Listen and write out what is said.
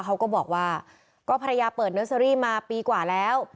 เขาก็บอกว่าก็ภรรยาเปิดเนอร์เซอรี่มาปีกว่าแล้ว